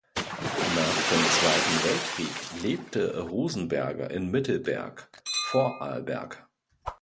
Nach dem Zweiten Weltkrieg lebte Rosenberger in Mittelberg (Vorarlberg).